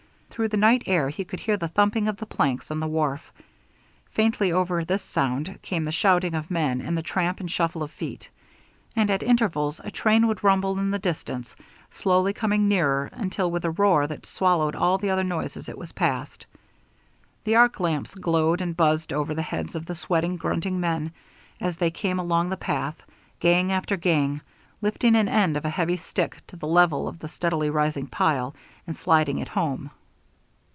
Through the night air he could hear the thumping of the planks on the wharf. Faintly over this sound came the shouting of men and the tramp and shuffle of feet. And at intervals a train would rumble in the distance, slowly coming nearer, until with a roar that swallowed all the other noises it was past. The arc lamps glowed and buzzed over the heads of the sweating, grunting men, as they came along the path, gang after gang, lifting an end of a heavy stick to the level of the steadily rising pile, and sliding it home.